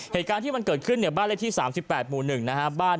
เหตุการณ์ที่มันเกิดขึ้นเนี่ยบ้านเลขที่๓๘หมู่๑นะครับ